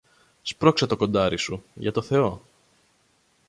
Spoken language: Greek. Σπρώξε το κοντάρι σου, για το Θεό